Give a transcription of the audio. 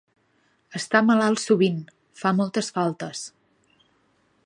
Està malalt sovint: fa moltes faltes.